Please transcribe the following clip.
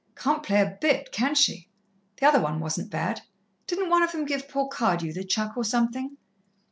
"Can't play a bit, can she? The other one wasn't bad. Didn't one of them give poor Cardew the chuck or something?"